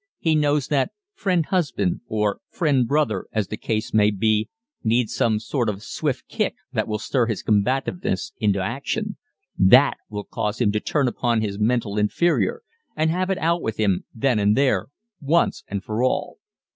He knows that "friend husband" or "friend brother" as the case may be, needs some sort of swift kick that will stir his combativeness into action that will cause him to turn upon his mental inferior and have it out with him then and there once and for all.